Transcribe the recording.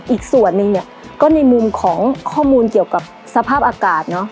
อีกส่วนนี้ก็ในมุมของข้อมูลเกี่ยวกับสภาพอากาศ